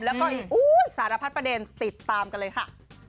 แล้วก็อีกสารพัดประเด็นติดตามกันเลยค่ะ